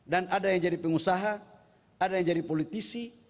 dan ada yang jadi pengusaha ada yang jadi politisi